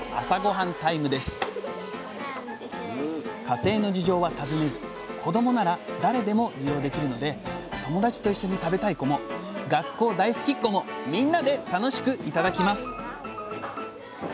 家庭の事情は尋ねず子どもなら誰でも利用できるので友達と一緒に食べたい子も学校大好きっ子もみんなで楽しく頂きます